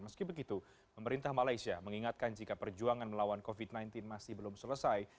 meski begitu pemerintah malaysia mengingatkan jika perjuangan melawan covid sembilan belas masih belum selesai